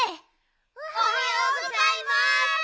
おはようございます！